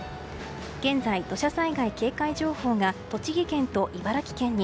現在、土砂災害警戒情報が栃木県と茨城県に。